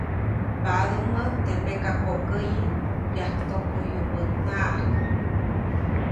Mbaʼdumäjt teʼ pekakoʼkäyi yajktokoyubäʼtnaʼajk.